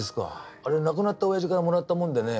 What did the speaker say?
あれ亡くなったおやじからもらったもんでね